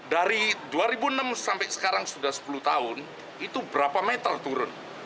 dari dua ribu enam sampai sekarang sudah sepuluh tahun itu berapa meter turun